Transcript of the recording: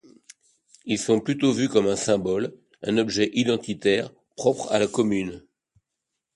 Ils sont plutôt vus comme un symbole, un objet identitaire propre à la commune.